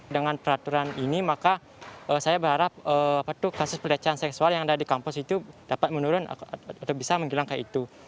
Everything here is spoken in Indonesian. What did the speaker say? dengan peraturan ini maka saya berharap kasus pelecehan seksual yang ada di kampus itu dapat menurun atau bisa menjelang kayak itu